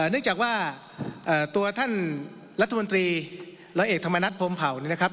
นึกจากว่าตัวท่านรัฐมนตรีและเอกธรรมนัฐพรมเผ่านะครับ